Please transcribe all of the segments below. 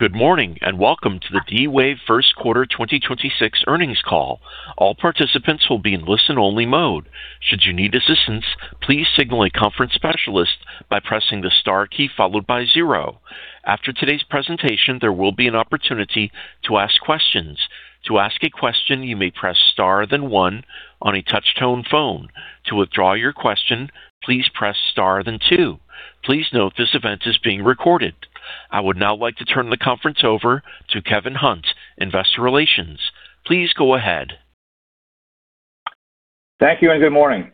Good morning, and welcome to the D-Wave First Quarter 2026 Earnings Call. All participants will be listen-only mode. Should you need assistance, please signal a conference specialist by pressing star key followed by zero. After today's presentation there will be an opportunity to ask questions. To ask a question, you may press star then one on your telephone. Please note that this call is being recorded. I would now like to turn the conference over to Kevin Hunt, Investor Relations. Please go ahead. Thank you, good morning.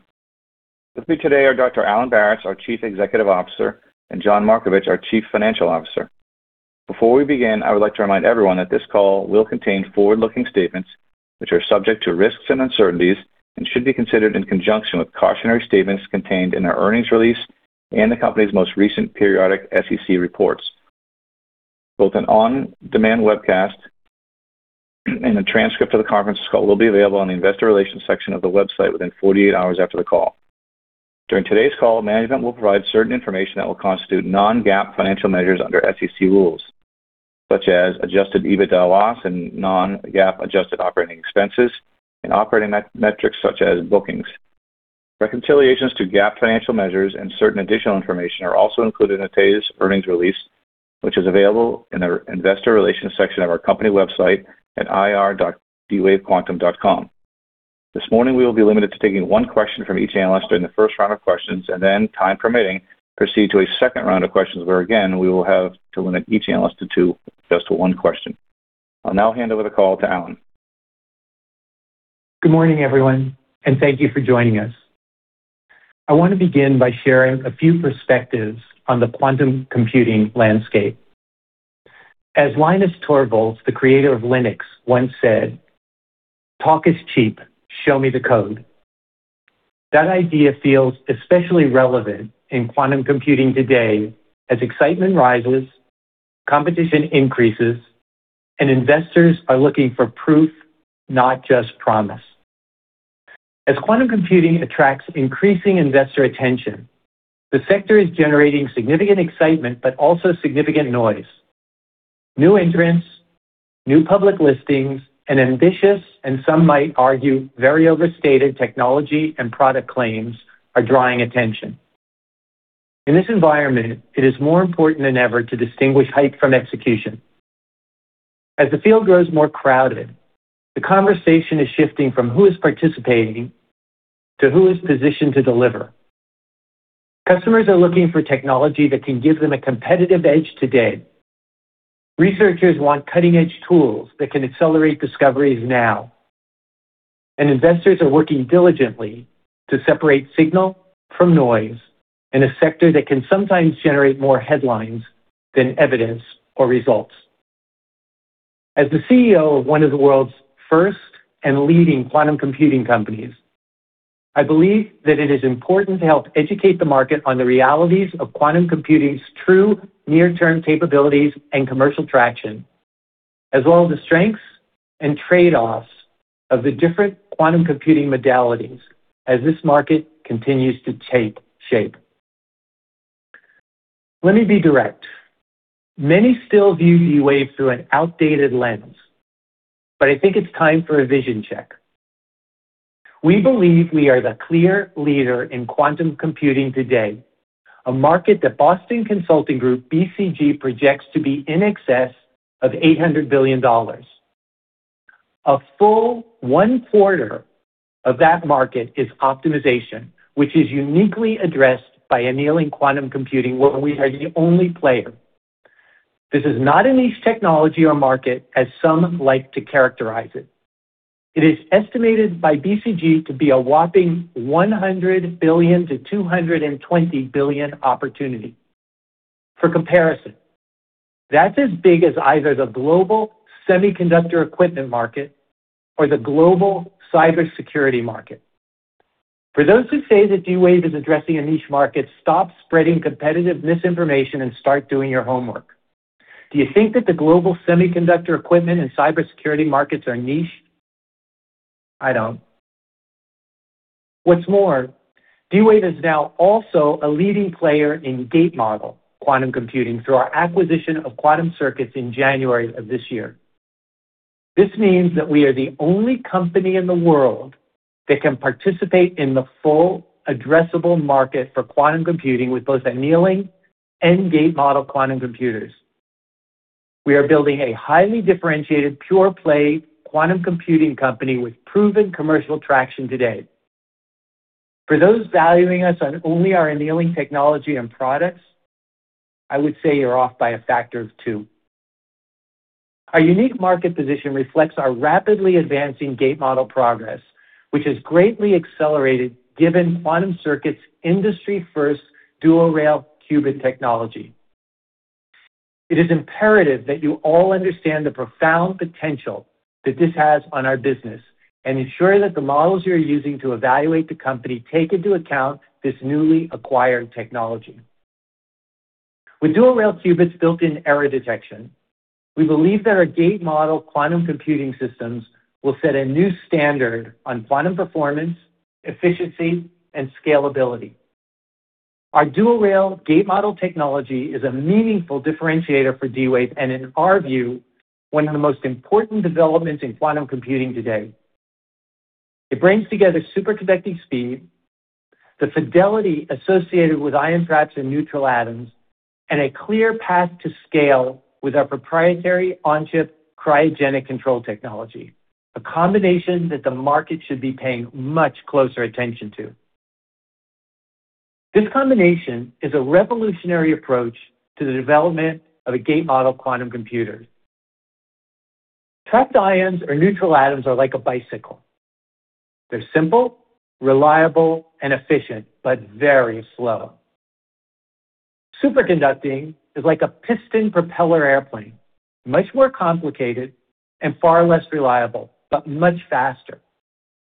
With me today are Dr. Alan Baratz, our Chief Executive Officer, and John Markovich, our Chief Financial Officer. Before we begin, I would like to remind everyone that this call will contain forward-looking statements, which are subject to risks and uncertainties and should be considered in conjunction with cautionary statements contained in our earnings release and the company's most recent periodic SEC reports. Both an on-demand webcast and a transcript of the conference call will be available on the investor relations section of the website within 48 hours after the call. During today's call, management will provide certain information that will constitute non-GAAP financial measures under SEC rules, such as adjusted EBITDA loss and non-GAAP adjusted operating expenses and operating metrics such as bookings. Reconciliations to GAAP financial measures and certain additional information are also included in today's earnings release, which is available in our investor relations section of our company website at ir.dwavequantum.com. This morning, we will be limited to taking one question from each analyst during the first round of questions and then, time permitting, proceed to a second round of questions where again, we will have to limit each analyst to two just to one question. I'll now hand over the call to Alan. Good morning, everyone, and thank you for joining us. I want to begin by sharing a few perspectives on the quantum computing landscape. As Linus Torvalds, the creator of Linux, once said, "Talk is cheap. Show me the code." That idea feels especially relevant in quantum computing today as excitement rises, competition increases, and investors are looking for proof, not just promise. As quantum computing attracts increasing investor attention, the sector is generating significant excitement but also significant noise. New entrants, new public listings, and ambitious, and some might argue, very overstated technology and product claims are drawing attention. In this environment, it is more important than ever to distinguish hype from execution. As the field grows more crowded, the conversation is shifting from who is participating to who is positioned to deliver. Customers are looking for technology that can give them a competitive edge today. Researchers want cutting-edge tools that can accelerate discoveries now. Investors are working diligently to separate signal from noise in a sector that can sometimes generate more headlines than evidence or results. As the CEO of one of the world's first and leading quantum computing companies, I believe that it is important to help educate the market on the realities of quantum computing's true near-term capabilities and commercial traction, as well as the strengths and trade-offs of the different quantum computing modalities as this market continues to take shape. Let me be direct. Many still view D-Wave through an outdated lens, but I think it's time for a vision check. We believe we are the clear leader in quantum computing today, a market that Boston Consulting Group, BCG, projects to be in excess of $800 billion. A full one-quarter of that market is optimization, which is uniquely addressed by annealing quantum computing, where we are the only player. This is not a niche technology or market, as some like to characterize it. It is estimated by BCG to be a whopping $100 billion-$220 billion opportunity. For comparison, that's as big as either the global semiconductor equipment market or the global cybersecurity market. For those who say that D-Wave is addressing a niche market, stop spreading competitive misinformation and start doing your homework. Do you think that the global semiconductor equipment and cybersecurity markets are niche? I don't. What's more, D-Wave is now also a leading player in gate model quantum computing through our acquisition of Quantum Circuits in January of this year. This means that we are the only company in the world that can participate in the full addressable market for quantum computing with both annealing and gate model quantum computers. We are building a highly differentiated pure-play quantum computing company with proven commercial traction today. For those valuing us on only our annealing technology and products, I would say you're off by a factor of two. Our unique market position reflects our rapidly advancing gate model progress, which has greatly accelerated given Quantum Circuits Inc. industry-first dual-rail qubit technology. It is imperative that you all understand the profound potential that this has on our business and ensure that the models you're using to evaluate the company take into account this newly acquired technology. With dual-rail qubits built-in error detection, we believe that our gate model quantum computing systems will set a new standard on quantum performance, efficiency, and scalability. Our dual-rail gate model technology is a meaningful differentiator for D-Wave and, in our view, one of the most important developments in quantum computing today. It brings together superconducting speed, the fidelity associated with ion traps and neutral atoms, and a clear path to scale with our proprietary on-chip cryogenic control technology, a combination that the market should be paying much closer attention to. This combination is a revolutionary approach to the development of a gate model quantum computer. Trapped ions or neutral atoms are like a bicycle. They're simple, reliable, and efficient, but very slow. Superconducting is like a piston propeller airplane, much more complicated and far less reliable, but much faster.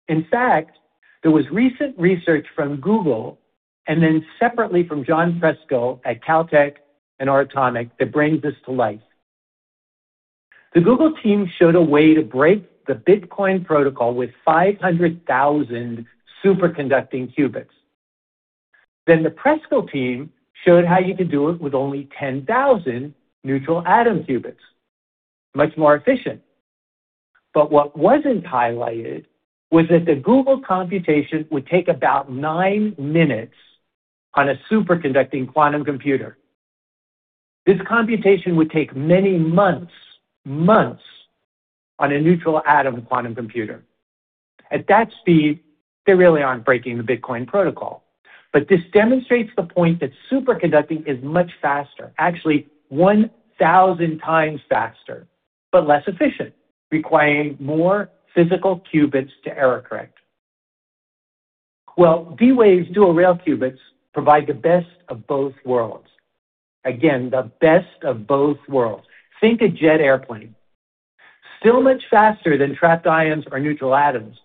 In fact, there was recent research from Google and then separately from John Preskill at Caltech and [Scott Aaronson] that brings this to light. The Google team showed a way to break the Bitcoin protocol with 500,000 superconducting qubits. The Preskill team showed how you could do it with only 10,000 neutral atom qubits, much more efficient. What wasn't highlighted was that the Google computation would take about nine minutes on a superconducting quantum computer. This computation would take many months on a neutral atom quantum computer. At that speed, they really aren't breaking the Bitcoin protocol. This demonstrates the point that superconducting is much faster, actually 1,000x faster, but less efficient, requiring more physical qubits to error correct. Well, D-Wave's dual-rail qubits provide the best of both worlds. Again, the best of both worlds. Think a jet airplane. Still much faster than trapped ions or neutral atoms,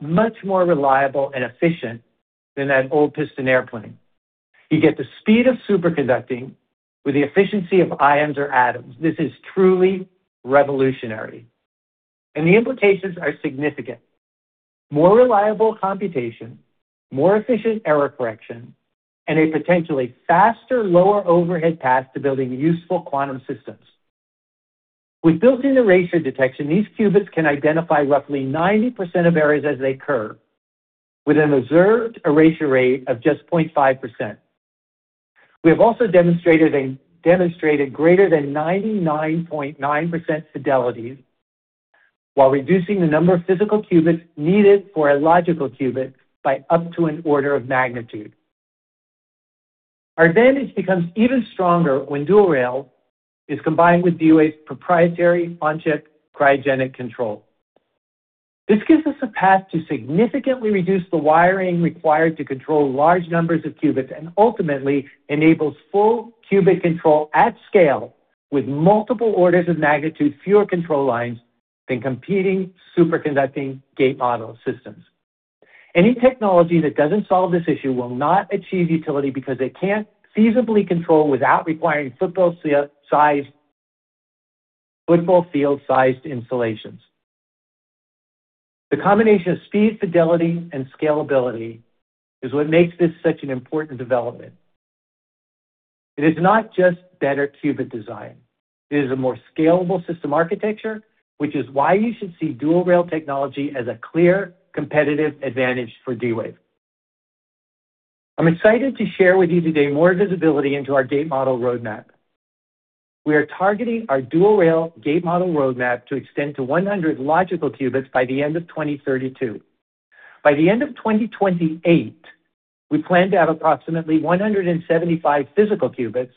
much more reliable and efficient than that old piston airplane. You get the speed of superconducting with the efficiency of ions or atoms. This is truly revolutionary, the implications are significant. More reliable computation, more efficient error correction, and a potentially faster, lower overhead path to building useful quantum systems. With built-in erasure detection, these qubits can identify roughly 90% of errors as they occur, with an observed erasure rate of just 0.5%. We have also demonstrated greater than 99.9% fidelities while reducing the number of physical qubits needed for a logical qubit by up to an order of magnitude. Our Advantage becomes even stronger when dual-rail is combined with D-Wave's proprietary on-chip cryogenic control. This gives us a path to significantly reduce the wiring required to control large numbers of qubits, and ultimately enables full qubit control at scale with multiple orders of magnitude fewer control lines than competing superconducting gate model systems. Any technology that doesn't solve this issue will not achieve utility because they can't feasibly control without requiring football field-sized installations. The combination of speed, fidelity, and scalability is what makes this such an important development. It is not just better qubit design. It is a more scalable system architecture, which is why you should see dual-rail technology as a clear competitive advantage for D-Wave. I'm excited to share with you today more visibility into our gate model roadmap. We are targeting our dual-rail gate model roadmap to extend to 100 logical qubits by the end of 2032. By the end of 2028, we plan to have approximately 175 physical qubits,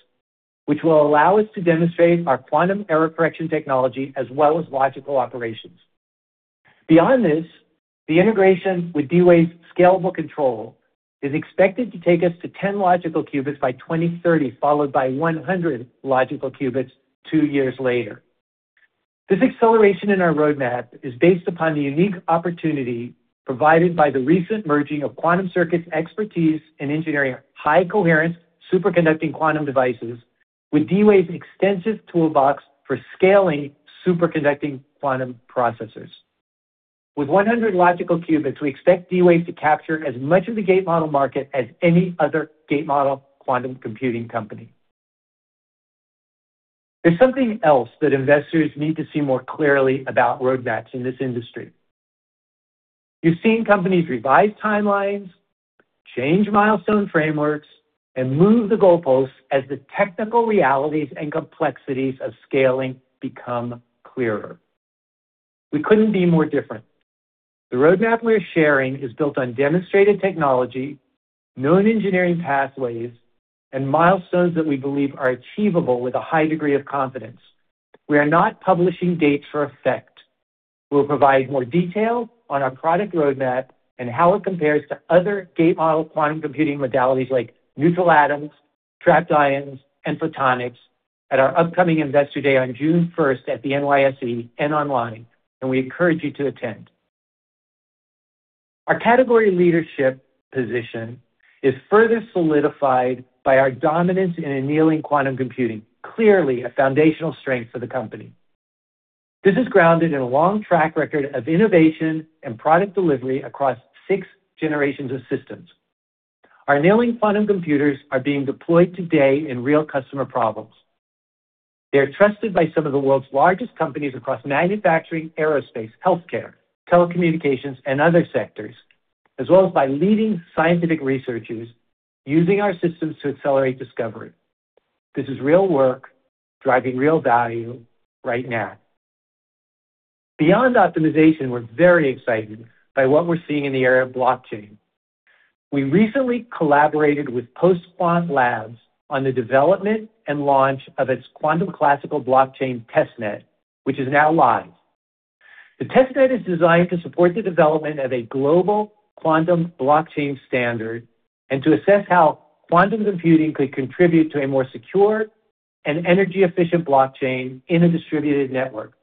which will allow us to demonstrate our quantum error correction technology as well as logical operations. Beyond this, the integration with D-Wave's scalable control is expected to take us to 10 logical qubits by 2030, followed by 100 logical qubits two years later. This acceleration in our roadmap is based upon the unique opportunity provided by the recent merging of Quantum Circuits' expertise in engineering high coherence superconducting quantum devices with D-Wave's extensive toolbox for scaling superconducting quantum processors. With 100 logical qubits, we expect D-Wave to capture as much of the gate model market as any other gate model quantum computing company. There's something else that investors need to see more clearly about roadmaps in this industry. You've seen companies revise timelines, change milestone frameworks, and move the goalposts as the technical realities and complexities of scaling become clearer. We couldn't be more different. The roadmap we're sharing is built on demonstrated technology, known engineering pathways, and milestones that we believe are achievable with a high degree of confidence. We are not publishing dates for effect. We'll provide more detail on our product roadmap and how it compares to other gate model quantum computing modalities like neutral atoms, trapped ions, and photonics at our upcoming Investor Day on June 1st at the NYSE and online. We encourage you to attend. Our category leadership position is further solidified by our dominance in annealing quantum computing, clearly a foundational strength for the company. This is grounded in a long track record of innovation and product delivery across six generations of systems. Our annealing quantum computers are being deployed today in real customer problems. They're trusted by some of the world's largest companies across manufacturing, aerospace, healthcare, telecommunications, and other sectors, as well as by leading scientific researchers using our systems to accelerate discovery. This is real work driving real value right now. Beyond optimization, we're very excited by what we're seeing in the area of blockchain. We recently collaborated with PostQuant Labs on the development and launch of its quantum classical blockchain test net, which is now live. The test net is designed to support the development of a global quantum blockchain standard and to assess how quantum computing could contribute to a more secure and energy-efficient blockchain in a distributed network.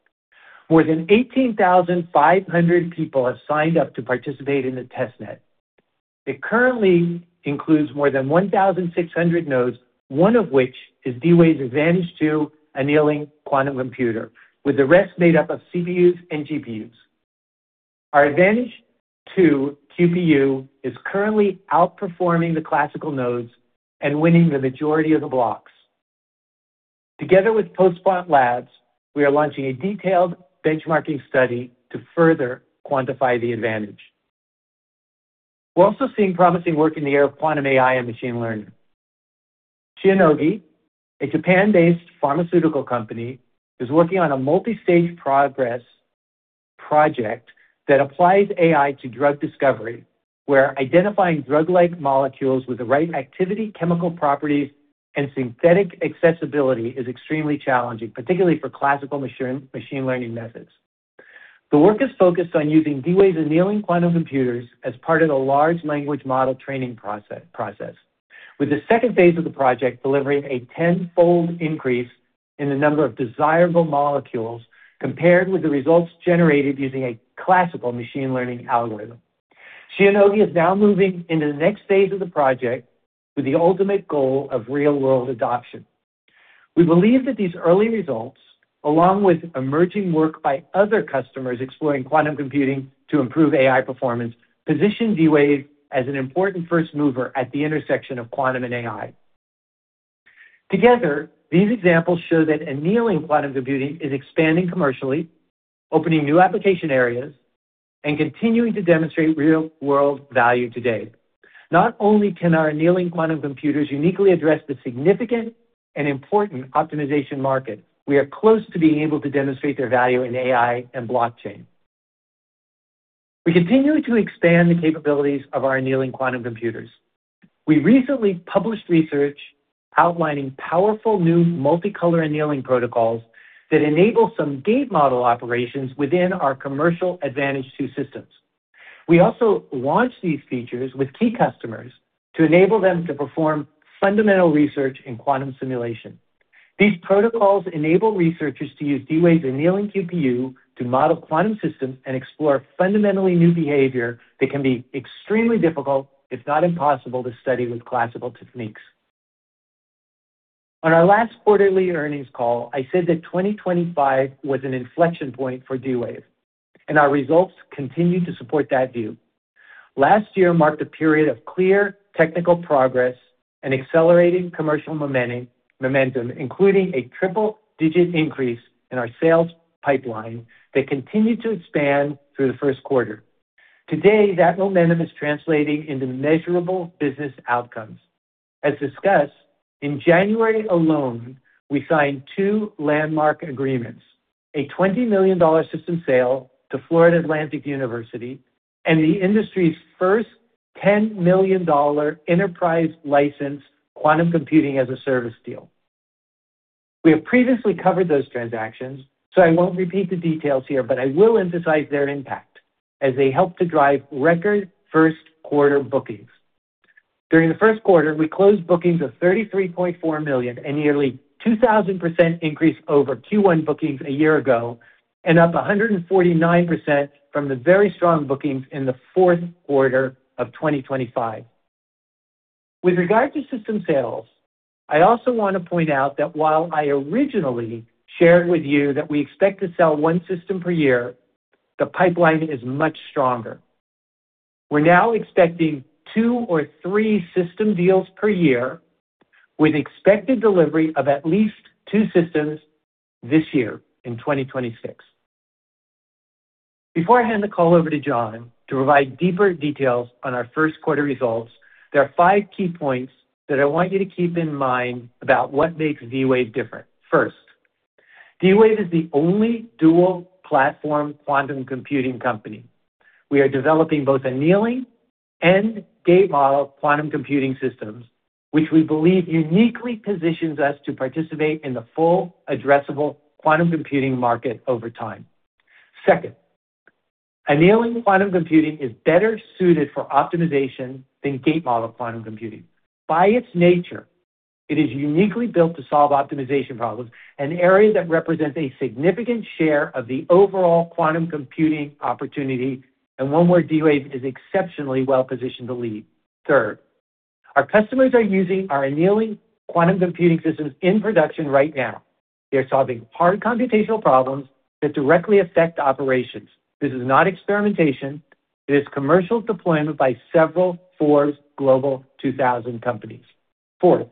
More than 18,500 people have signed up to participate in the test net. It currently includes more than 1,600 nodes, one of which is D-Wave's Advantage2 annealing quantum computer, with the rest made up of CPUs and GPUs. Our Advantage2 QPU is currently outperforming the classical nodes and winning the majority of the blocks. Together with Postquant Labs, we are launching a detailed benchmarking study to further quantify the advantage. We're also seeing promising work in the area of quantum AI and machine learning. Shionogi, a Japan-based pharmaceutical company, is working on a multi-stage progress project that applies AI to drug discovery, where identifying drug-like molecules with the right activity, chemical properties, and synthetic accessibility is extremely challenging, particularly for classical machine learning methods. The work is focused on using D-Wave's annealing quantum computers as part of the large language model training process, with the second phase of the project delivering a 10-fold increase in the number of desirable molecules compared with the results generated using a classical machine learning algorithm. Shionogi is now moving into the next phase of the project with the ultimate goal of real-world adoption. We believe that these early results, along with emerging work by other customers exploring quantum computing to improve AI performance, position D-Wave as an important first mover at the intersection of quantum and AI. Together, these examples show that annealing quantum computing is expanding commercially, opening new application areas, and continuing to demonstrate real-world value today. Not only can our annealing quantum computers uniquely address the significant and important optimization market, we are close to being able to demonstrate their value in AI and blockchain. We continue to expand the capabilities of our annealing quantum computers. We recently published research outlining powerful new multicolor annealing protocols that enable some gate model operations within our commercial Advantage2 systems. We also launched these features with key customers to enable them to perform fundamental research in quantum simulation. These protocols enable researchers to use D-Wave's annealing QPU to model quantum systems and explore fundamentally new behavior that can be extremely difficult, if not impossible, to study with classical techniques. On our last quarterly earnings call, I said that 2025 was an inflection point for D-Wave. Our results continue to support that view. Last year marked a period of clear technical progress and accelerating commercial momentum, including a triple-digit increase in our sales pipeline that continued to expand through the first quarter. Today, that momentum is translating into measurable business outcomes. As discussed, in January alone, we signed two landmark agreements, a $20 million system sale to Florida Atlantic University and the industry's first $10 million enterprise license quantum computing as a service deal. We have previously covered those transactions, so I won't repeat the details here, but I will emphasize their impact as they help to drive record first quarter bookings. During the first quarter, we closed bookings of $33.4 million, a nearly 2,000% increase over Q1 bookings a year ago and up 149% from the very strong bookings in the fourth quarter of 2025. With regard to system sales, I also want to point out that while I originally shared with you that we expect to sell one system per year, the pipeline is much stronger. We're now expecting two or three system deals per year with expected delivery of at least two systems this year in 2026. Before I hand the call over to John to provide deeper details on our first quarter results, there are five key points that I want you to keep in mind about what makes D-Wave different. First, D-Wave is the only dual platform quantum computing company. We are developing both annealing and gate model quantum computing systems, which we believe uniquely positions us to participate in the full addressable quantum computing market over time. Second, annealing quantum computing is better suited for optimization than gate model quantum computing. By its nature, it is uniquely built to solve optimization problems, an area that represents a significant share of the overall quantum computing opportunity and one where D-Wave is exceptionally well-positioned to lead. Third, our customers are using our annealing quantum computing systems in production right now. They're solving hard computational problems that directly affect operations. This is not experimentation. It is commercial deployment by several Forbes Global 2000 companies. Fourth,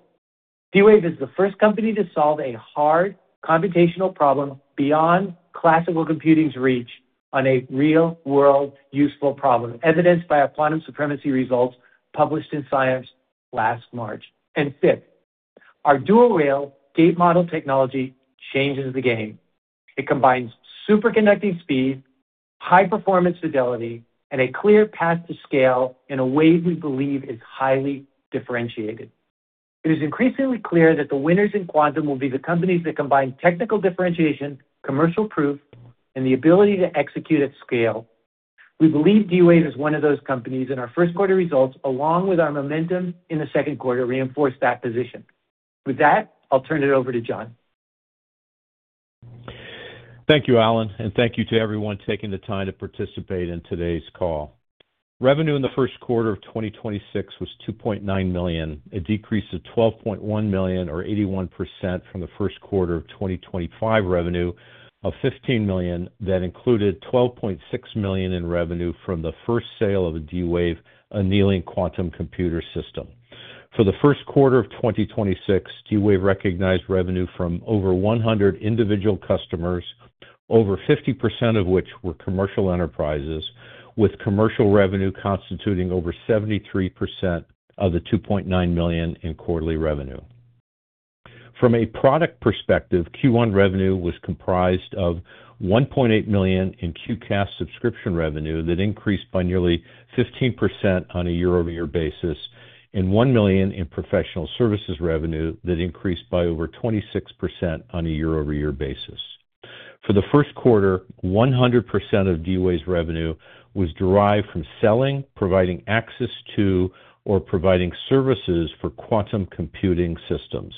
D-Wave is the first company to solve a hard computational problem beyond classical computing's reach on a real-world useful problem, evidenced by our quantum supremacy results published in Science last March. Fifth, our dual-rail gate model technology changes the game. It combines superconducting speed, high performance fidelity, and a clear path to scale in a way we believe is highly differentiated. It is increasingly clear that the winners in quantum will be the companies that combine technical differentiation, commercial proof, and the ability to execute at scale. We believe D-Wave is one of those companies, and our first quarter results, along with our momentum in the second quarter, reinforce that position. With that, I'll turn it over to John. Thank you, Alan, and thank you to everyone taking the time to participate in today's call. Revenue in the first quarter of 2026 was $2.9 million, a decrease of $12.1 million or 81% from the first quarter of 2025 revenue of $15 million that included $12.6 million in revenue from the first sale of a D-Wave annealing quantum computer system. For the first quarter of 2026, D-Wave recognized revenue from over 100 individual customers, over 50% of which were commercial enterprises, with commercial revenue constituting over 73% of the $2.9 million in quarterly revenue. From a product perspective, Q1 revenue was comprised of $1.8 million in QCaaSS subscription revenue that increased by nearly 15% on a year-over-year basis and $1 million in professional services revenue that increased by over 26% on a year-over-year basis. For the first quarter, 100% of D-Wave's revenue was derived from selling, providing access to, or providing services for quantum computing systems,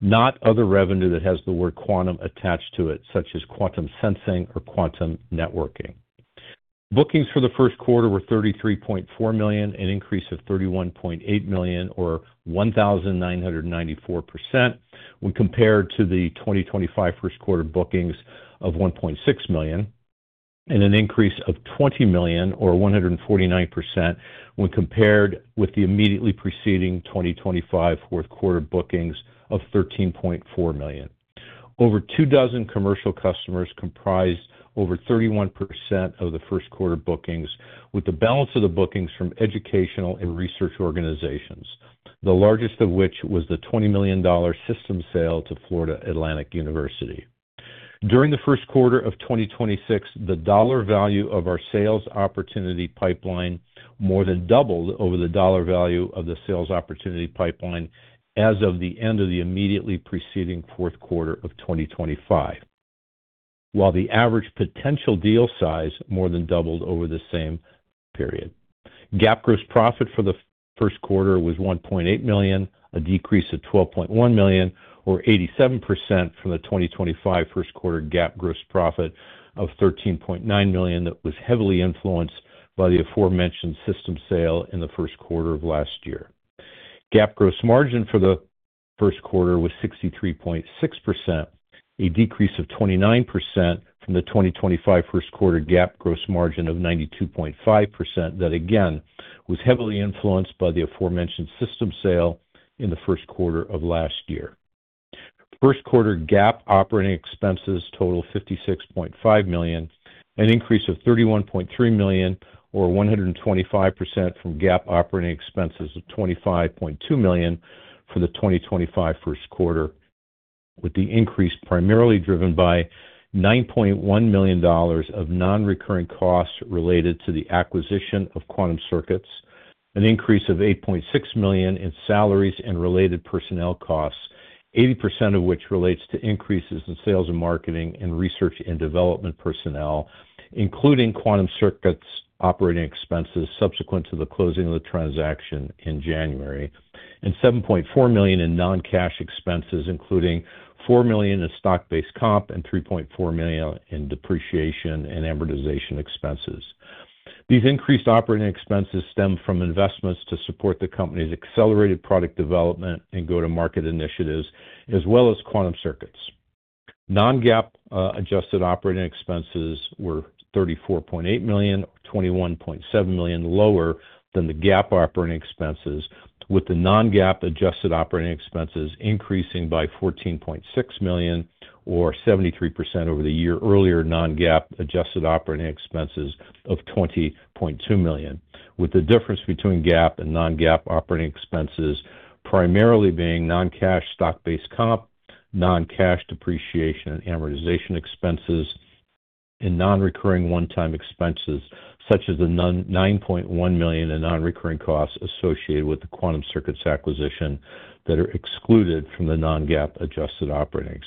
not other revenue that has the word quantum attached to it, such as quantum sensing or quantum networking. Bookings for the first quarter were $33.4 million, an increase of $31.8 million or 1,994% when compared to the 2025 first quarter bookings of $1.6 million and an increase of $20 million or 149% when compared with the immediately preceding 2025 fourth quarter bookings of $13.4 million. Over two dozen commercial customers comprised over 31% of the first quarter bookings, with the balance of the bookings from educational and research organizations, the largest of which was the $20 million system sale to Florida Atlantic University. During the first quarter of 2026, the dollar value of our sales opportunity pipeline more than doubled over the dollar value of the sales opportunity pipeline as of the end of the immediately preceding fourth quarter of 2025, while the average potential deal size more than doubled over the same period. GAAP gross profit for the first quarter was $1.8 million, a decrease of $12.1 million or 87% from the 2025 first quarter GAAP gross profit of $13.9 million that was heavily influenced by the aforementioned system sale in the first quarter of last year. GAAP gross margin for the first quarter was 63.6%, a decrease of 29% from the 2025 first quarter GAAP gross margin of 92.5% that again was heavily influenced by the aforementioned system sale in the first quarter of last year. First quarter GAAP operating expenses totaled $56.5 million, an increase of $31.3 million or 125% from GAAP operating expenses of $25.2 million for the 2025 first quarter, with the increase primarily driven by $9.1 million of non-recurring costs related to the acquisition of Quantum Circuits, an increase of $8.6 million in salaries and related personnel costs, 80% of which relates to increases in sales and marketing and research and development personnel, including Quantum Circuits operating expenses subsequent to the closing of the transaction in January, and $7.4 million in non-cash expenses, including $4 million in stock-based comp and $3.4 million in depreciation and amortization expenses. These increased operating expenses stem from investments to support the company's accelerated product development and go-to-market initiatives, as well as Quantum Circuits. Non-GAAP adjusted operating expenses were $34.8 million, $21.7 million lower than the GAAP operating expenses, with the non-GAAP adjusted operating expenses increasing by $14.6 million or 73% over the year earlier non-GAAP adjusted operating expenses of $20.2 million, with the difference between GAAP and non-GAAP operating expenses primarily being non-cash stock-based comp, non-cash depreciation and amortization expenses, and non-recurring one-time expenses such as the $9.1 million in non-recurring costs associated with the Quantum Circuits acquisition that are excluded from the non-GAAP adjusted operating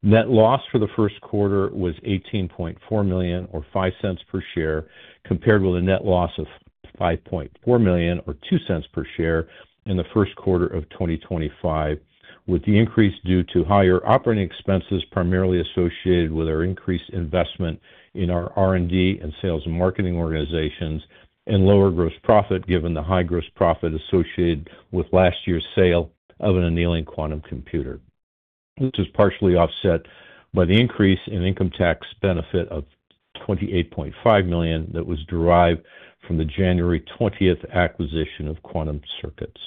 expenses. Net loss for the first quarter was $18.4 million or $0.05 per share, compared with a net loss of $5.4 million or $0.02 per share in the first quarter of 2025, with the increase due to higher operating expenses primarily associated with our increased investment in our R&D and sales and marketing organizations and lower gross profit given the high gross profit associated with last year's sale of an annealing quantum computer. Which was partially offset by the increase in income tax benefit of $28.5 million that was derived from the January 20th acquisition of Quantum Circuits.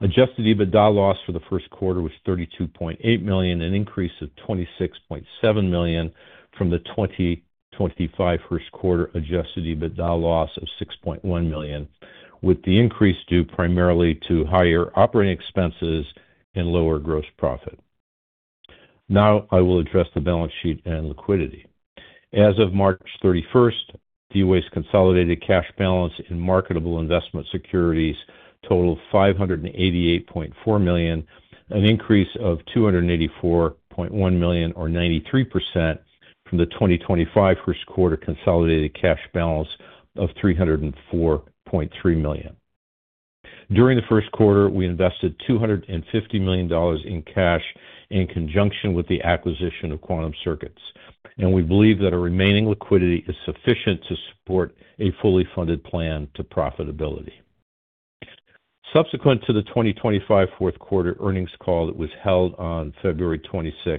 Adjusted EBITDA loss for the first quarter was $32.8 million, an increase of $26.7 million from the 2025 first quarter adjusted EBITDA loss of $6.1 million, with the increase due primarily to higher operating expenses and lower gross profit. Now I will address the balance sheet and liquidity. As of March 31st, D-Wave's consolidated cash balance in marketable investment securities totaled $588.4 million, an increase of $284.1 million or 93% from the 2025 first quarter consolidated cash balance of $304.3 million. During the first quarter, we invested $250 million in cash in conjunction with the acquisition of Quantum Circuits, and we believe that our remaining liquidity is sufficient to support a fully funded plan to profitability. Subsequent to the 2025 fourth quarter earnings call that was held on February 26th,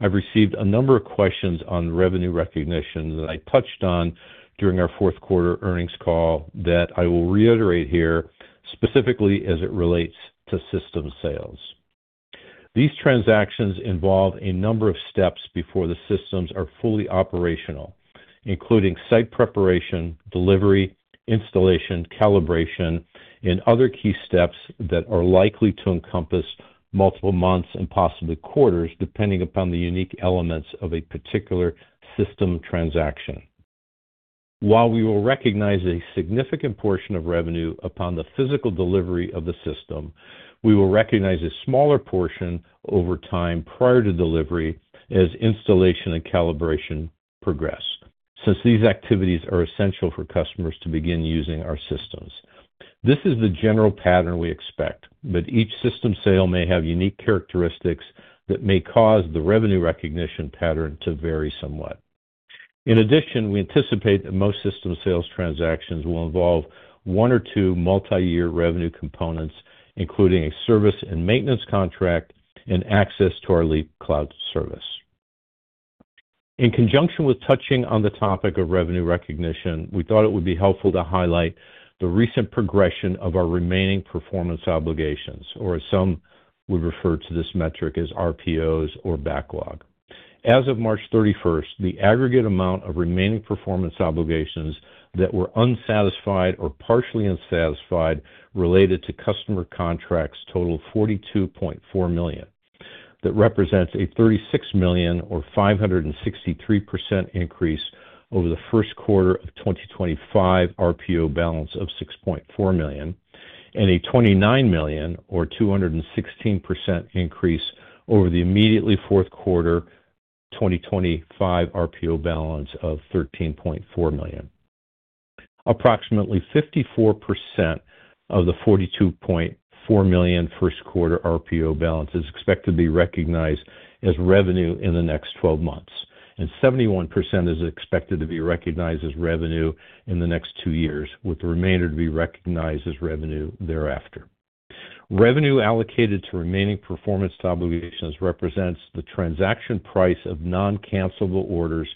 I've received a number of questions on revenue recognition that I touched on during our fourth quarter earnings call that I will reiterate here specifically as it relates to system sales. These transactions involve a number of steps before the systems are fully operational, including site preparation, delivery, installation, calibration, and other key steps that are likely to encompass multiple months and possibly quarters, depending upon the unique elements of a particular system transaction. While we will recognize a significant portion of revenue upon the physical delivery of the system, we will recognize a smaller portion over time prior to delivery as installation and calibration progress, since these activities are essential for customers to begin using our systems. This is the general pattern we expect, but each system sale may have unique characteristics that may cause the revenue recognition pattern to vary somewhat. In addition, we anticipate that most system sales transactions will involve one or two multi-year revenue components, including a service and maintenance contract and access to our Leap cloud service. In conjunction with touching on the topic of revenue recognition, we thought it would be helpful to highlight the recent progression of our remaining performance obligations, or as some would refer to this metric as RPOs or backlog. As of March 31st, the aggregate amount of remaining performance obligations that were unsatisfied or partially unsatisfied related to customer contracts totaled $42.4 million. That represents a $36 million or 563% increase over the first quarter of 2025 RPO balance of $6.4 million and a $29 million or 216% increase over the immediately fourth quarter 2025 RPO balance of $13.4 million. Approximately 54% of the $42.4 million first quarter RPO balance is expected to be recognized as revenue in the next 12 months, and 71% is expected to be recognized as revenue in the next two years, with the remainder to be recognized as revenue thereafter. Revenue allocated to remaining performance obligations represents the transaction price of non-cancellable orders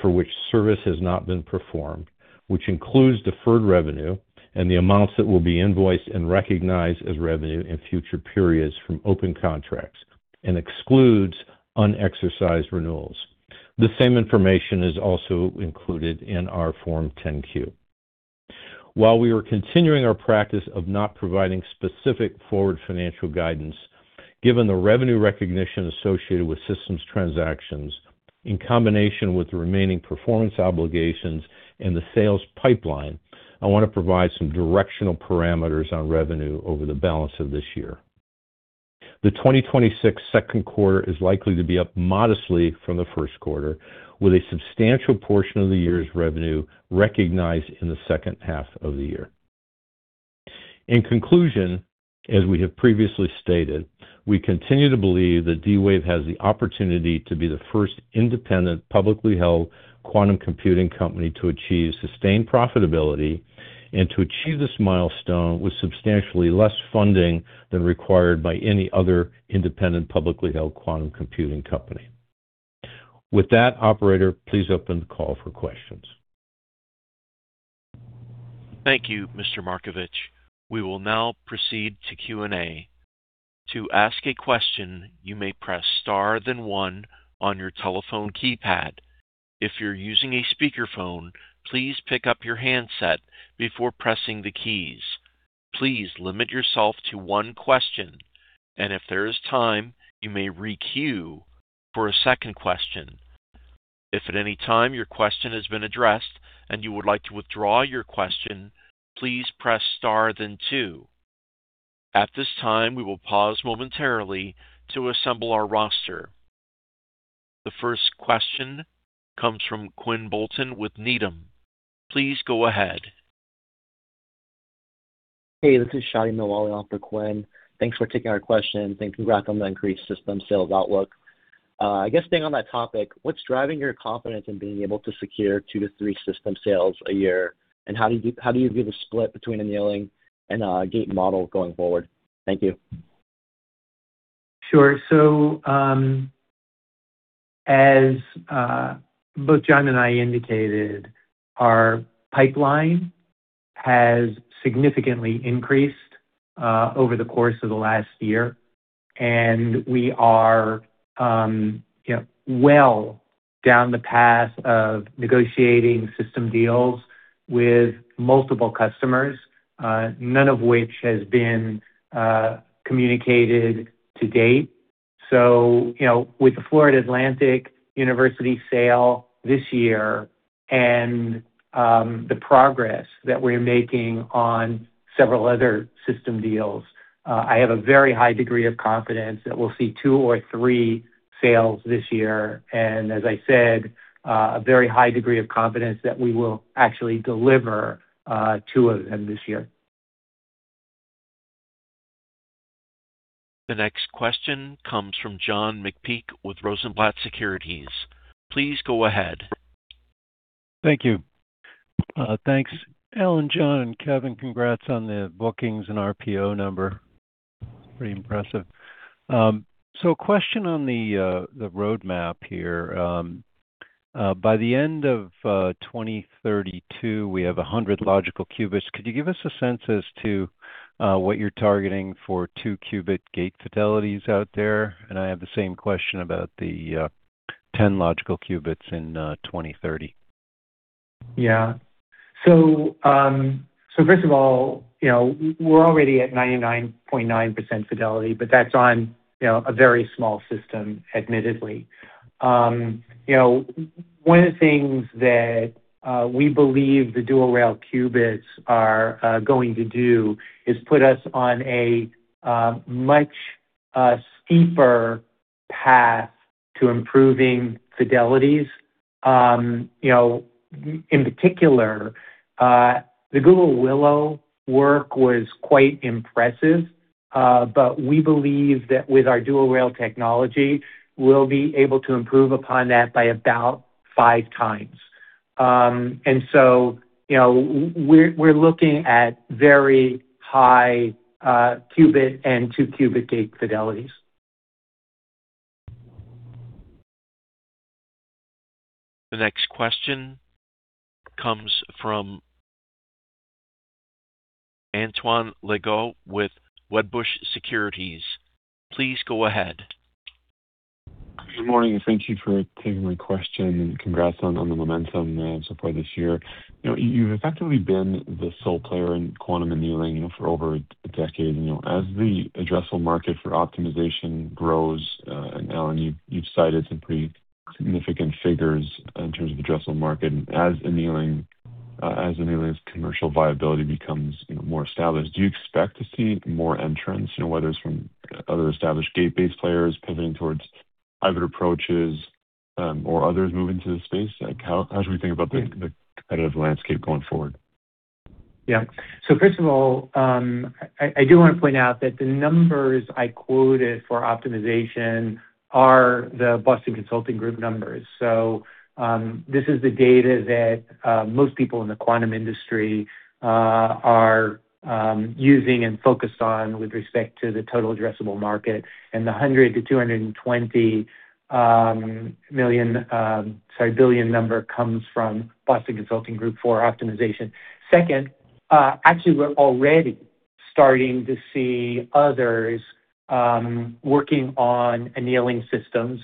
for which service has not been performed, which includes deferred revenue and the amounts that will be invoiced and recognized as revenue in future periods from open contracts and excludes unexercised renewals. The same information is also included in our Form 10-Q. While we are continuing our practice of not providing specific forward financial guidance, given the revenue recognition associated with systems transactions in combination with the remaining performance obligations and the sales pipeline, I want to provide some directional parameters on revenue over the balance of this year. The 2026 second quarter is likely to be up modestly from the first quarter, with a substantial portion of the year's revenue recognized in the second half of the year. In conclusion, as we have previously stated, we continue to believe that D-Wave has the opportunity to be the first independent, publicly held quantum computing company to achieve sustained profitability and to achieve this milestone with substantially less funding than required by any other independent, publicly held quantum computing company. With that, operator, please open the call for questions. Thank you, Mr. Markovich. We will now proceed to Q&A. To ask a question, you may press star then one on your telephone keypad. If you're using a speakerphone, please pick up your handset before pressing the keys. Please limit yourself to one question, and if there is time, you may re-queue for a second question. If at any time your question has been addressed and you would like to withdraw your question, please press star then two. At this time, we will pause momentarily to assemble our roster. The first question comes from Quinn Bolton with Needham. Please go ahead. Hey, this is Shadi Mitwalli on for Quinn. Thanks for taking our question and congrats on the increased system sales outlook. I guess staying on that topic, what's driving your confidence in being able to secure two to three system sales a year? How do you view the split between annealing and gate model going forward? Thank you. Sure. As both John and I indicated, our pipeline has significantly increased over the course of the last year, and we are, you know, well down the path of negotiating system deals with multiple customers, none of which has been communicated to date. You know, with the Florida Atlantic University sale this year and the progress that we're making on several other system deals, I have a very high degree of confidence that we'll see two or three sales this year and, as I said, a very high degree of confidence that we will actually deliver two of them this year. The next question comes from John McPeake with Rosenblatt Securities. Please go ahead. Thank you. Thanks, Alan, John, and Kevin. Congrats on the bookings and RPO number. Pretty impressive. Question on the roadmap here. By the end of 2032, we have 100 logical qubits. Could you give us a sense as to what you're targeting for two qubit gate fidelities out there? I have the same question about the 10 logical qubits in 2030. First of all, you know, we're already at 99.9% fidelity, but that's on, you know, a very small system, admittedly. One of the things that we believe the dual-rail qubits are going to do is put us on a much steeper path to improving fidelities. In particular, the Google Willow work was quite impressive, but we believe that with our dual-rail technology, we'll be able to improve upon that by about five times. We're looking at very high qubit and two qubit gate fidelities. The next question comes from Antoine Legault with Wedbush Securities. Please go ahead. Good morning. Thank you for taking my question, and congrats on the momentum so far this year. You know, you've effectively been the sole player in quantum annealing, you know, for over a decade. You know, as the addressable market for optimization grows, Alan, you've cited some pretty significant figures in terms of addressable market. As annealing's commercial viability becomes, you know, more established, do you expect to see more entrants, you know, whether it's from other established gate-based players pivoting towards hybrid approaches, or others moving to the space? Like, how should we think about the competitive landscape going forward? Yeah. I do wanna point out that the numbers I quoted for optimization are the Boston Consulting Group numbers. This is the data that most people in the quantum industry are using and focused on with respect to the total addressable market. The $100 billion-$220 billion number comes from Boston Consulting Group for optimization. Second, actually, we're already starting to see others working on annealing systems.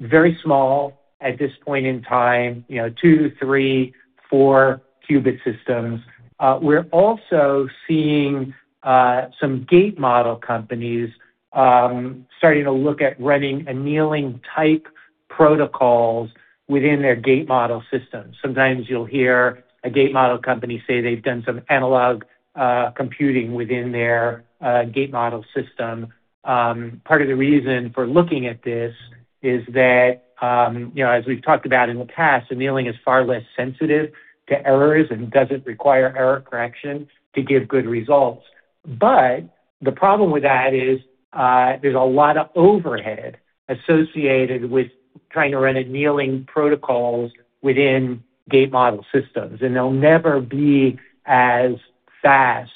Very small at this point in time, you know, two, three, four qubit systems. We're also seeing some gate model companies starting to look at running annealing-type protocols within their gate model systems. Sometimes you'll hear a gate model company say they've done some analog computing within their gate model system. Part of the reason for looking at this is that, you know, as we've talked about in the past, annealing is far less sensitive to errors and doesn't require error correction to give good results. The problem with that is, there's a lot of overhead associated with trying to run annealing protocols within gate model systems, and they'll never be as fast,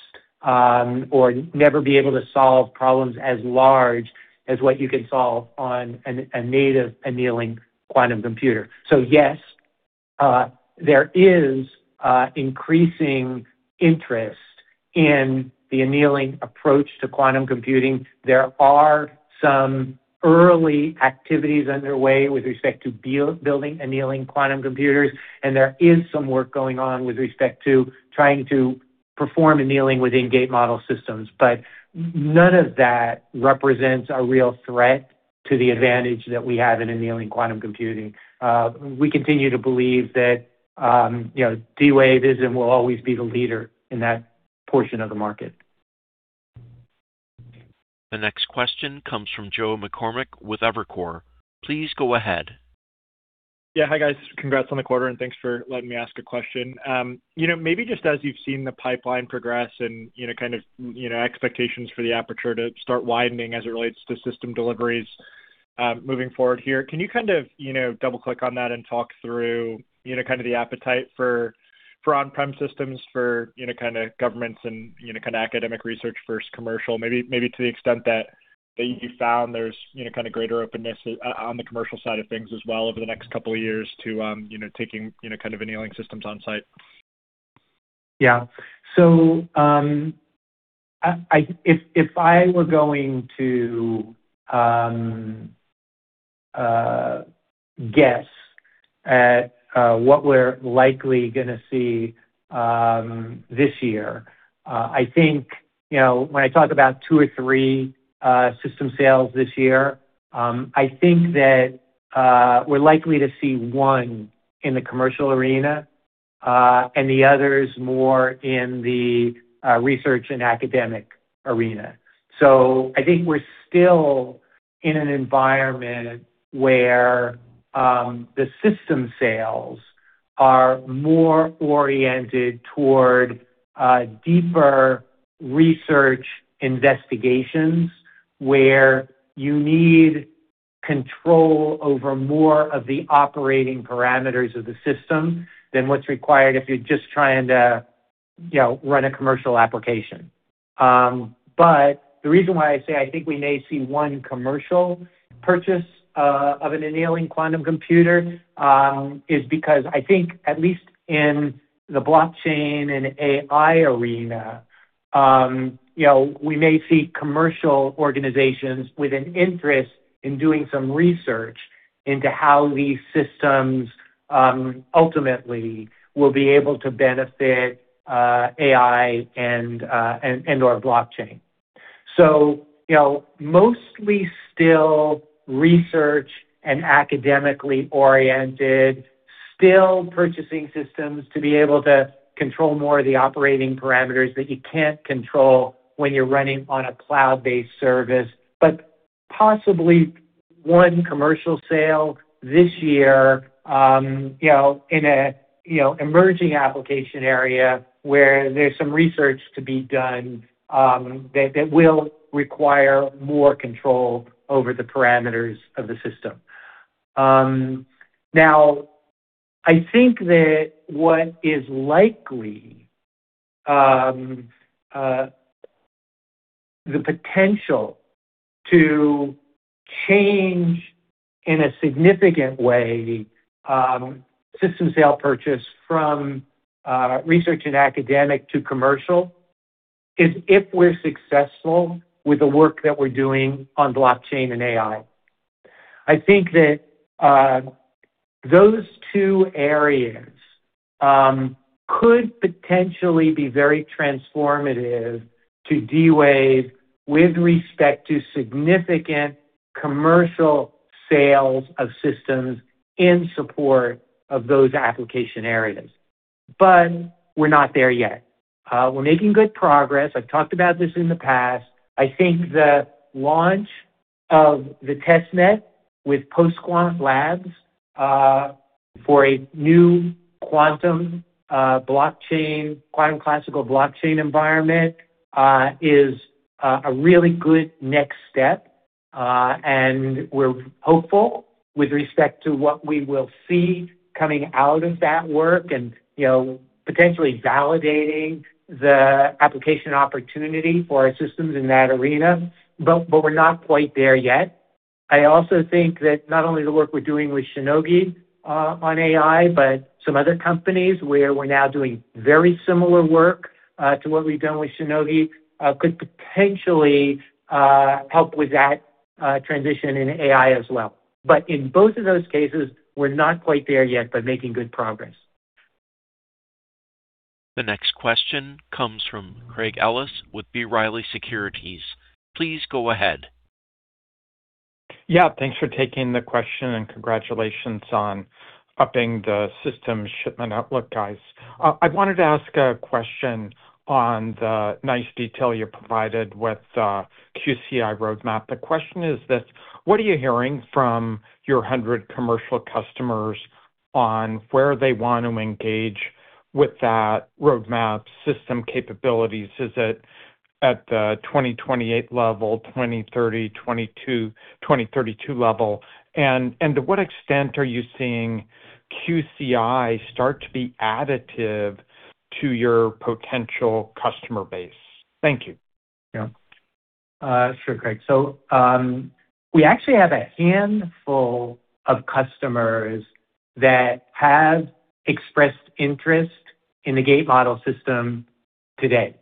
or never be able to solve problems as large as what you can solve on a native annealing quantum computer. Yes, there is increasing interest in the annealing approach to quantum computing. There are some early activities underway with respect to building annealing quantum computers, and there is some work going on with respect to trying to perform annealing within gate model systems. None of that represents a real threat to the advantage that we have in annealing quantum computing. We continue to believe that, you know, D-Wave is and will always be the leader in that portion of the market. The next question comes from Joe McCormack with Evercore. Please go ahead. Yeah. Hi, guys. Congrats on the quarter, and thanks for letting me ask a question. You know, maybe just as you've seen the pipeline progress and, you know, kind of, you know, expectations for the aperture to start widening as it relates to system deliveries, moving forward here, can you kind of, you know, double-click on that and talk through, you know, kind of the appetite for on-prem systems for, you know, kinda governments and, you know, kinda academic research versus commercial? Maybe to the extent that you found there's, you know, kinda greater openness on the commercial side of things as well over the next couple of years to, you know, taking, you know, kind of annealing systems on-site. Yeah. If I were going to guess at what we're likely gonna see this year, I think, you know, when I talk about two or three system sales this year, I think that we're likely to see one in the commercial arena, and the others more in the research and academic arena. I think we're still in an environment where the system sales are more oriented toward deeper research investigations, where you need control over more of the operating parameters of the system than what's required if you're just trying to, you know, run a commercial application. But the reason why I say I think we may see one commercial purchase of an annealing quantum computer is because I think at least in the blockchain and AI Arena, you know, we may see commercial organizations with an interest in doing some research into how these systems ultimately will be able to benefit AI and/or blockchain. You know, mostly still research and academically oriented, still purchasing systems to be able to control more of the operating parameters that you can't control when you're running on a cloud-based service. Possibly one commercial sale this year, you know, in a, you know, emerging application area where there's some research to be done that will require more control over the parameters of the system. Now I think that what is likely the potential to change in a significant way, system sale purchase from research and academic to commercial is if we're successful with the work that we're doing on blockchain and AI. I think that those two areas could potentially be very transformative to D-Wave with respect to significant commercial sales of systems in support of those application areas. We're not there yet. We're making good progress. I've talked about this in the past. I think the launch of the test net with Postquant Labs for a new quantum blockchain, quantum classical blockchain environment is a really good next step. We're hopeful with respect to what we will see coming out of that work and, you know, potentially validating the application opportunity for our systems in that arena, but we're not quite there yet. I also think that not only the work we're doing with Shionogi on AI, but some other companies where we're now doing very similar work to what we've done with Shionogi could potentially help with that transition in AI as well. In both of those cases, we're not quite there yet, but making good progress. The next question comes from Craig Ellis with B. Riley Securities. Please go ahead. Yeah, thanks for taking the question, and congratulations on upping the system shipment outlook, guys. I wanted to ask a question on the nice detail you provided with the QCI roadmap. The question is this: What are you hearing from your 100 commercial customers on where they want to engage with that roadmap system capabilities? Is it at the 2028 level, 2030, 2032 level? And to what extent are you seeing QCI start to be additive to your potential customer base? Thank you. Sure, Craig. We actually have a handful of customers that have expressed interest in the Gate Model system today.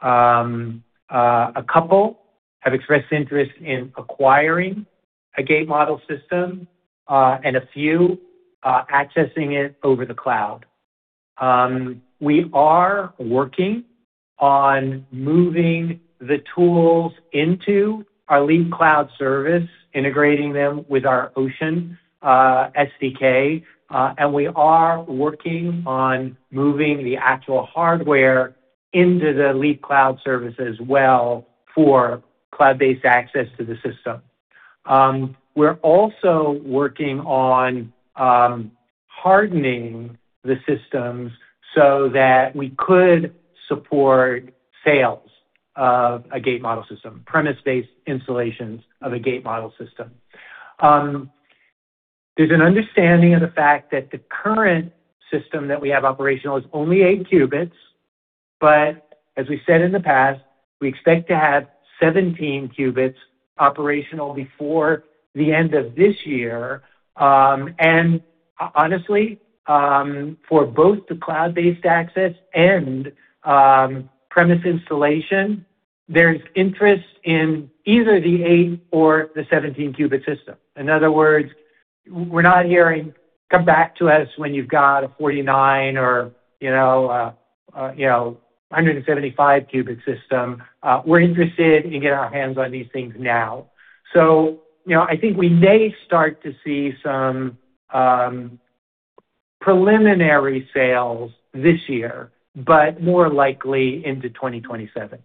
A couple have expressed interest in acquiring a Gate Model system, and a few accessing it over the cloud. We are working on moving the tools into our Leap Cloud service, integrating them with our Ocean SDK, and we are working on moving the actual hardware into the Leap Cloud service as well for cloud-based access to the system. We're also working on hardening the systems so that we could support sales of a gate model system, premise-based installations of a gate model system. There's an understanding of the fact that the current system that we have operational is only eight qubits, but as we said in the past, we expect to have 17 qubits operational before the end of this year. And honestly, for both the cloud-based access and premise installation, there's interest in either the eight or the 17-qubit system. In other words, we're not hearing, "Come back to us when you've got a 49 or, you know, 175 qubit system." We're interested in getting our hands on these things now. You know, I think we may start to see some preliminary sales this year, but more likely into 2027.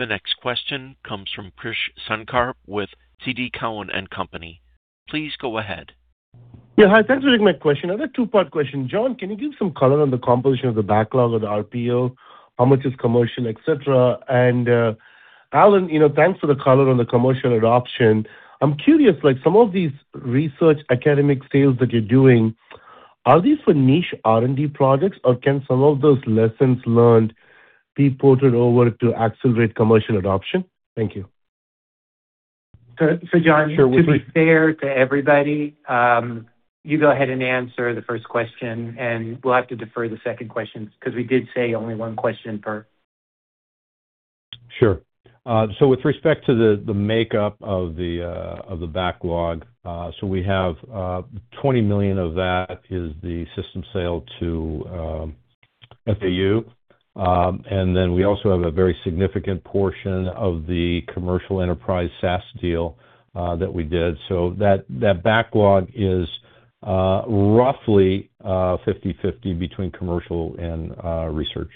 The next question comes from Krish Sankar with TD Cowen and Company. Please go ahead. Yeah, hi. Thanks for taking my question. I've got a two part question. John, can you give some color on the composition of the backlog of the RPO, how much is commercial, et cetera? Alan, you know, thanks for the color on the commercial adoption. I'm curious, like, some of these research academic sales that you're doing, are these for niche R&D projects, or can some of those lessons learned be ported over to accelerate commercial adoption? Thank you. John. Sure, to be fair to everybody, you go ahead and answer the first question, and we'll have to defer the second question, 'cause we did say only one question per. Sure. With respect to the makeup of the backlog, we have $20 million of that is the system sale to FAU. We also have a very significant portion of the commercial enterprise SaaS deal that we did. That backlog is roughly 50/50 between commercial and research.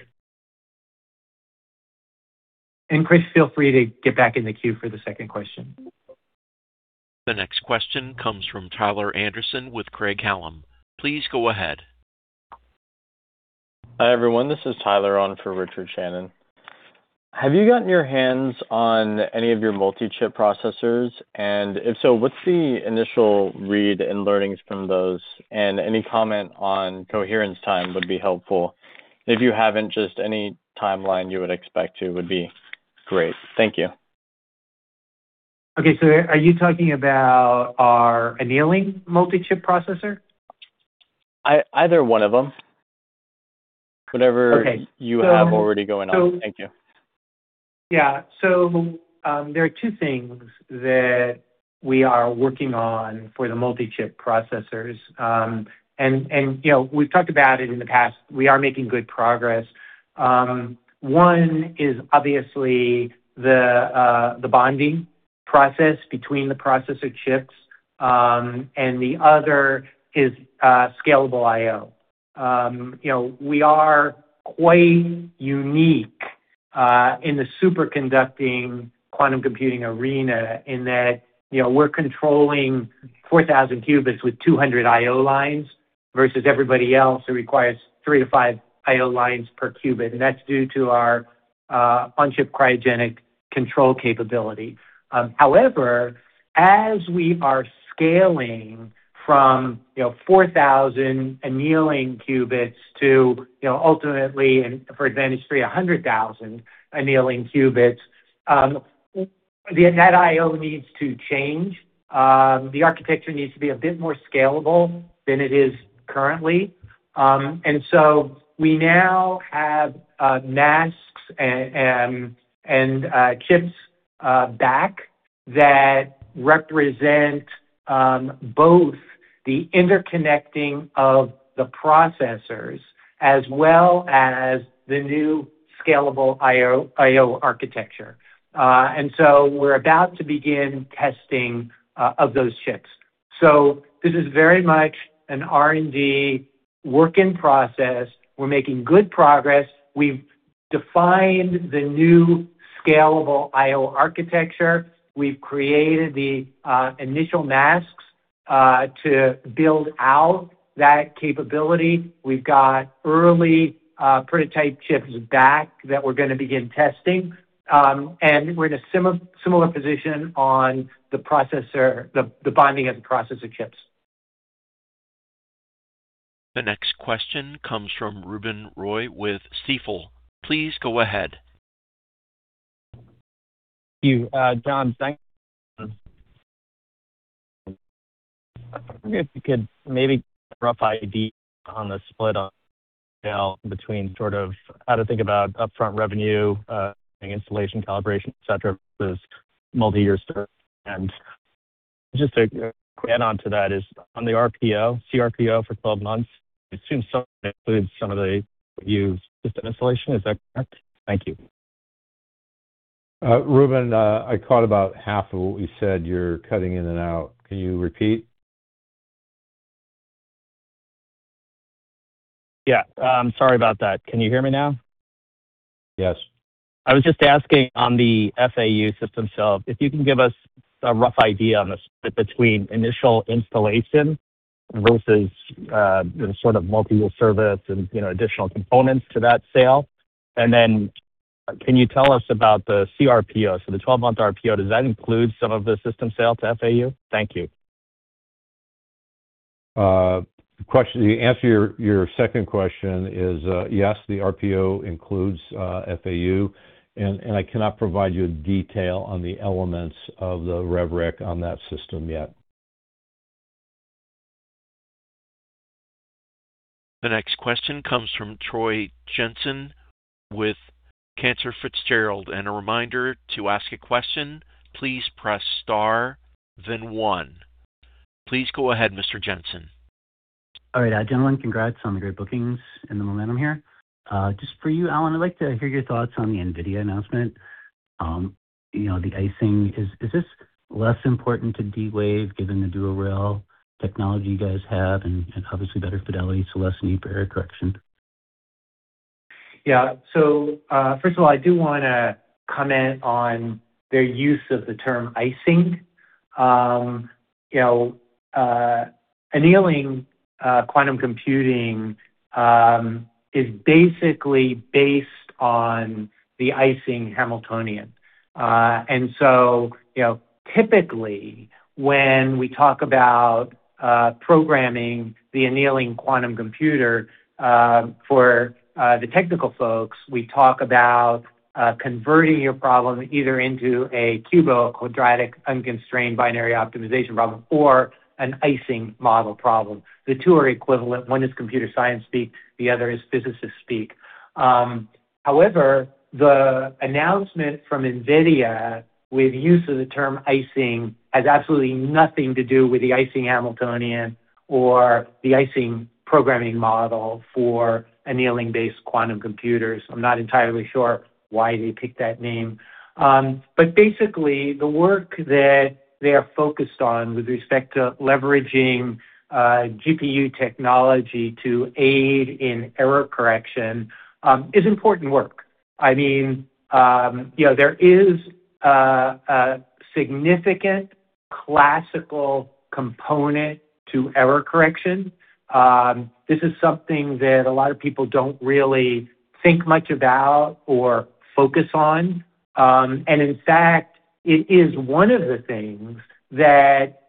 Krish, feel free to get back in the queue for the second question. The next question comes from Tyler Anderson with Craig-Hallum. Please go ahead. Hi, everyone. This is Tyler on for Richard Shannon. Have you gotten your hands on any of your multi-chip processors? If so, what's the initial read and learnings from those? Any comment on coherence time would be helpful. If you haven't, just any timeline you would expect too would be great. Thank you. Okay. Are you talking about our annealing multi-chip processor? Either one of them. Okay. You have already going on. Thank you. Yeah. There are two things that we are working on for the multi-chip processors. You know, we've talked about it in the past. We are making good progress. One is obviously the bonding process between the processor chips, and the other is scalable I/O. You know, we are quite unique in the superconducting quantum computing arena in that, you know, we're controlling 4,000 qubits with 200 I/O lines versus everybody else who requires three to five I/O lines per qubit, and that's due to our on-chip cryogenic control capability. However, as we are scaling from, you know, 4,000 annealing qubits to, you know, ultimately, and for Advantage3, 100,000 annealing qubits, that I/O needs to change. The architecture needs to be a bit more scalable than it is currently. We now have masks and chips back that represent both the interconnecting of the processors as well as the new scalable I/O architecture. We're about to begin testing of those chips. This is very much an R&D work in process. We're making good progress. We've defined the new scalable I/O architecture. We've created the initial masks to build out that capability. We've got early prototype chips back that we're gonna begin testing. We're in a similar position on the processor, the bonding of the processor chips. The next question comes from Ruben Roy with Stifel. Please go ahead. Thank you. John, thanks, I was wondering if you could maybe rough idea on the split on sale between sort of how to think about upfront revenue, installation, calibration, et cetera, versus multi-year service. Just to add onto that is on the RPO, CRPO for 12 months, I assume some of it includes some of the use system installation. Is that correct? Thank you. Ruben, I caught about half of what you said. You're cutting in and out. Can you repeat? Yeah. sorry about that. Can you hear me now? Yes. I was just asking on the FAU system sale, if you can give us a rough idea on the split between initial installation versus, the sort of multi-year service and, you know, additional components to that sale. Then can you tell us about the CRPO? The 12-month RPO, does that include some of the system sale to FAU? Thank you. To answer your second question is, yes, the RPO includes FAU, and I cannot provide you detail on the elements of the rev rec on that system yet. The next question comes from Troy Jensen with Cantor Fitzgerald. A reminder, to ask a question, please press star then one. Please go ahead, Mr. Jensen. All right. gentlemen, congrats on the great bookings and the momentum here. just for you, Alan, I'd like to hear your thoughts on the NVIDIA announcement. you know, the Ising. Is this less important to D-Wave given the dual-rail technology you guys have and obviously better fidelity, so less need for error correction? Yeah. First of all, I do wanna comment on their use of the term Ising. You know, annealing quantum computing is basically based on the Ising Hamiltonian. You know, typically, when we talk about programming the annealing quantum computer, for the technical folks, we talk about converting your problem either into a QUBO, quadratic unconstrained binary optimization problem or an Ising model problem. The two are equivalent. One is computer science speak, the other is physicist speak. However, the announcement from NVIDIA with use of the term Ising has absolutely nothing to do with the Ising Hamiltonian or the Ising programming model for annealing-based quantum computers. I'm not entirely sure why they picked that name. But basically the work that they are focused on with respect to leveraging GPU technology to aid in error correction is important work. I mean, you know, there is a significant classical component to error correction. This is something that a lot of people don't really think much about or focus on. And in fact, it is one of the things that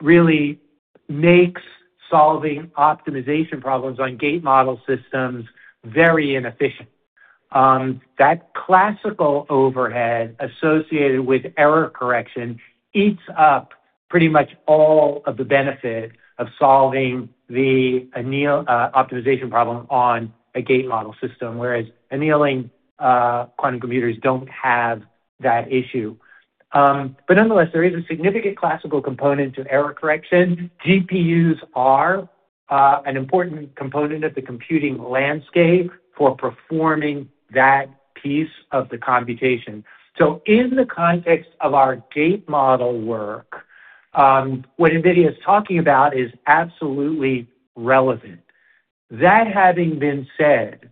really makes solving optimization problems on gate model systems very inefficient. That classical overhead associated with error correction eats up pretty much all of the benefit of solving the optimization problem on a gate model system, whereas annealing quantum computers don't have that issue. But nonetheless, there is a significant classical component to error correction. GPUs are an important component of the computing landscape for performing that piece of the computation. In the context of our gate model work, what NVIDIA is talking about is absolutely relevant. That having been said,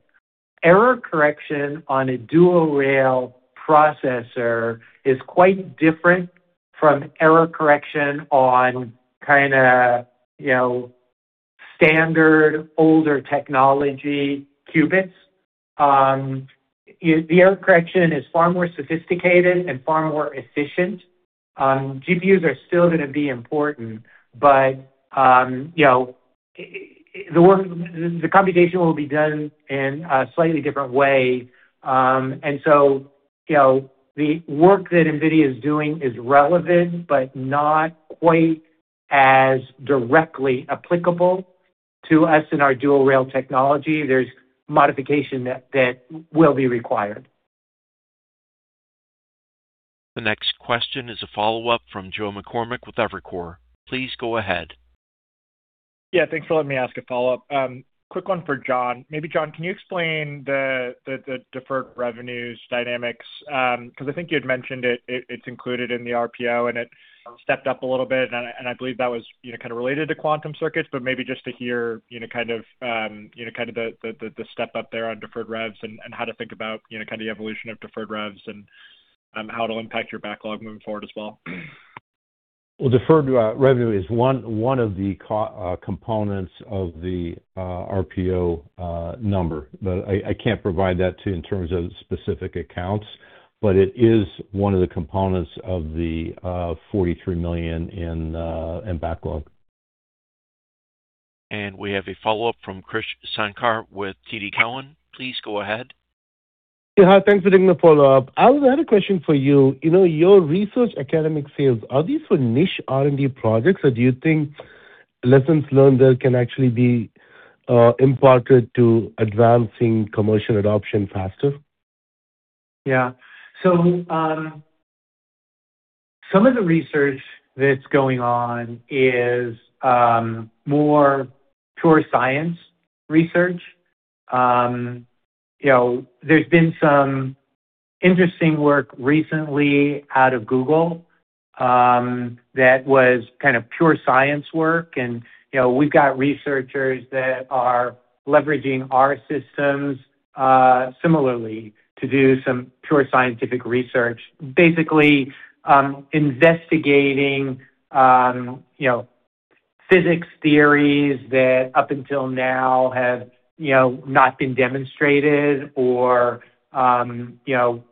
error correction on a dual-rail processor is quite different from error correction on kind of, you know, standard older technology qubits. The error correction is far more sophisticated and far more efficient. GPUs are still going to be important, but, you know, the computation will be done in a slightly different way. You know, the work that NVIDIA is doing is relevant but not quite as directly applicable to us in our dual-rail technology. There's modification that will be required. The next question is a follow-up from Joe McCormack with Evercore. Please go ahead. Yeah. Thanks for letting me ask a follow-up. Quick one for John. Maybe, John, can you explain the, the deferred revenues dynamics? I think you had mentioned it's included in the RPO, and it stepped up a little bit, and I believe that was, you know, kinda related to Quantum Circuits, but maybe just to hear, you know, kind of, you know, kind of the, the step-up there on deferred revs and how it'll impact your backlog moving forward as well. Well, deferred revenue is one of the components of the RPO number. I can't provide that to you in terms of specific accounts, but it is one of the components of the $43 million in backlog. We have a follow-up from Krish Sankar with TD Cowen. Please go ahead. Yeah. Thanks for taking the follow-up. Alan, I had a question for you. You know, your research academic sales, are these for niche R&D projects or do you think lessons learned there can actually be imparted to advancing commercial adoption faster? Some of the research that's going on is more pure science research. You know, there's been some interesting work recently out of Google that was kind of pure science work and, you know, we've got researchers that are leveraging our systems similarly to do some pure scientific research. Basically, investigating, you know, physics theories that up until now have, you know, not been demonstrated or, you know,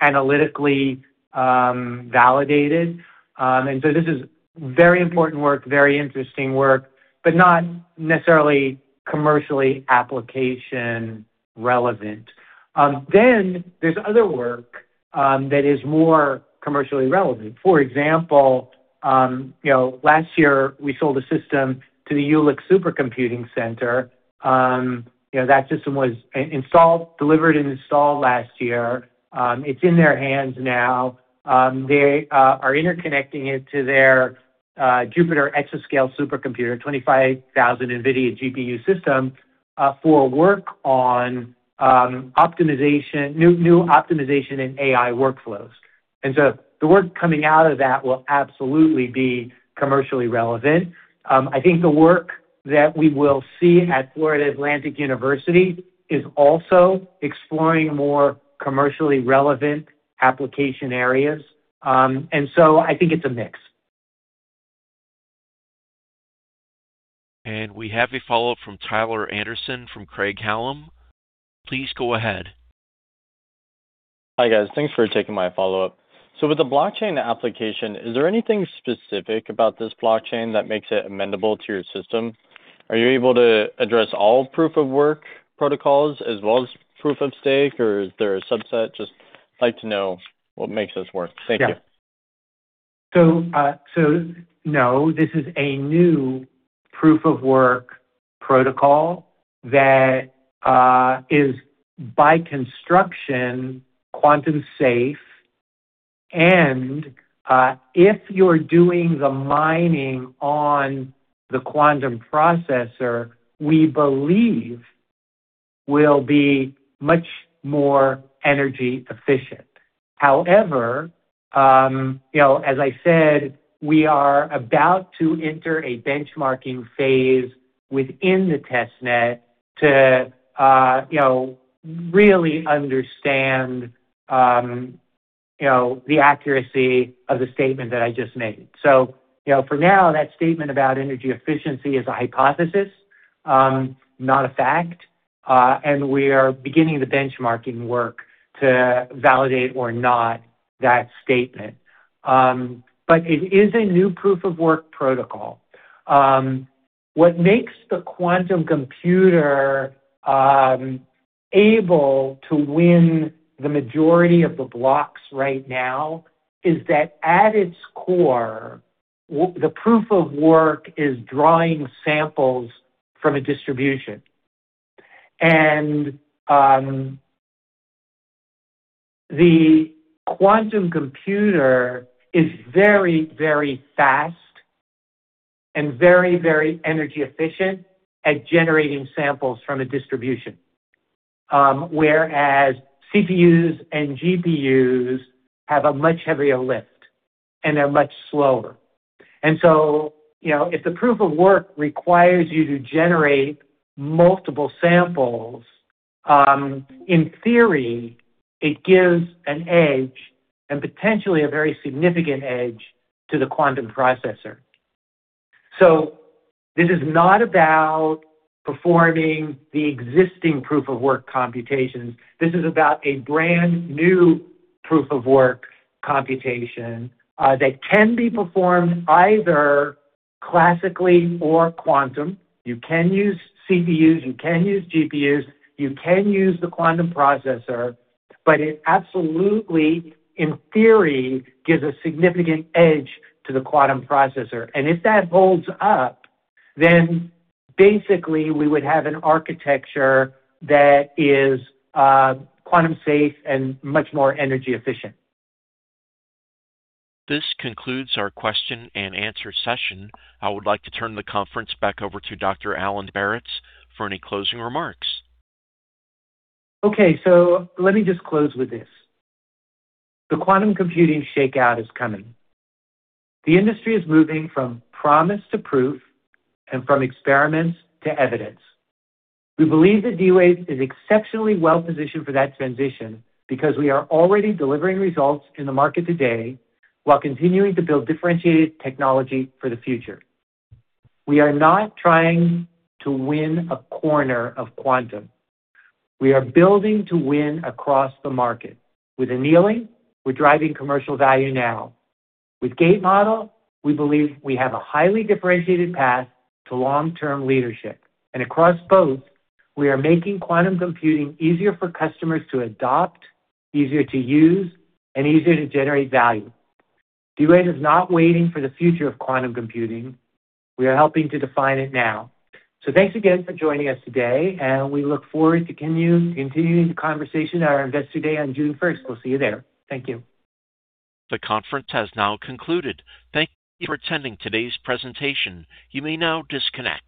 analytically validated. This is very important work, very interesting work, but not necessarily commercially application relevant. There's other work that is more commercially relevant. For example, you know, last year we sold a system to the Jülich Supercomputing Centre. You know, that system was delivered and installed last year. It's in their hands now. They are interconnecting it to their JUPITER exascale supercomputer, 25,000 NVIDIA GPU system, for work on optimization, new optimization and AI workflows. The work coming out of that will absolutely be commercially relevant. I think the work that we will see at Florida Atlantic University is also exploring more commercially relevant application areas. I think it's a mix. We have a follow-up from Tyler Anderson from Craig-Hallum. Please go ahead. Hi, guys. Thanks for taking my follow-up. With the blockchain application, is there anything specific about this blockchain that makes it amendable to your system? Are you able to address all proof of work protocols as well as proof of stake or is there a subset? Just like to know what makes this work. Thank you. Yeah. No, this is a new proof of work protocol that is by construction quantum safe, and if you're doing the mining on the quantum processor, we believe will be much more energy efficient. However, you know, as I said, we are about to enter a benchmarking phase within the test net to, you know, really understand, you know, the accuracy of the statement that I just made. You know, for now, that statement about energy efficiency is a hypothesis, not a fact, and we are beginning the benchmarking work to validate or not that statement. But it is a new proof of work protocol. What makes the quantum computer able to win the majority of the blocks right now is that at its core, the proof of work is drawing samples from a distribution. The quantum computer is very, very fast and very, very energy efficient at generating samples from a distribution. Whereas CPUs and GPUs have a much heavier lift, and they're much slower. You know, if the proof of work requires you to generate multiple samples, in theory, it gives an edge, and potentially a very significant edge, to the quantum processor. This is not about performing the existing proof of work computations. This is about a brand-new proof of work computation that can be performed either classically or quantum. You can use CPUs, you can use GPUs, you can use the quantum processor, but it absolutely, in theory, gives a significant edge to the quantum processor. If that holds up, then basically we would have an architecture that is quantum safe and much more energy efficient. This concludes our question and answer session. I would like to turn the conference back over to Dr. Alan Baratz for any closing remarks. Okay, let me just close with this. The quantum computing shakeout is coming. The industry is moving from promise to proof and from experiments to evidence. We believe that D-Wave is exceptionally well-positioned for that transition because we are already delivering results in the market today while continuing to build differentiated technology for the future. We are not trying to win a corner of quantum. We are building to win across the market. With annealing, we're driving commercial value now. With Gate Model, we believe we have a highly differentiated path to long-term leadership. Across both, we are making quantum computing easier for customers to adopt, easier to use, and easier to generate value. D-Wave is not waiting for the future of quantum computing. We are helping to define it now. Thanks again for joining us today, and we look forward to continuing the conversation at our Investor Day on June first. We'll see you there. Thank you. The conference has now concluded. Thank you for attending today's presentation. You may now disconnect.